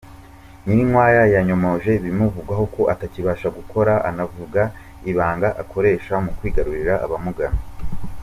Nyirinkwaya yanyomoje ibimuvugwaho ko atakibasha gukora anavuga ibanga akoresha mu kwigarurira abamugana.